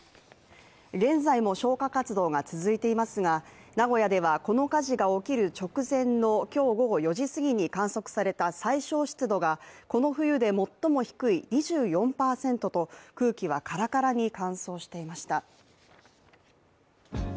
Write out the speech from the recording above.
現在も消火活動が続いていますが名古屋ではこの火事が起きる直前の今日午後４時過ぎに観測された最小湿度がこの冬で最も低い２４％と空気はカラカラに乾燥していました。